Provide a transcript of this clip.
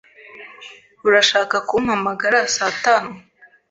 Urashaka kumpamagara saa tanu?